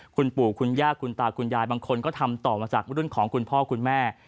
คุณปู่คุณย่าคุณตาคุณยายบางคนก็ทำต่อมาจากรุ่นของคุณพ่อคุณแม่